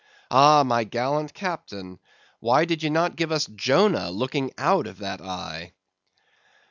Ah, my gallant captain, why did ye not give us Jonah looking out of that eye!